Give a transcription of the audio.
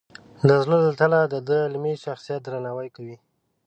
د زړه له تله د ده د علمي شخصیت درناوی کوي.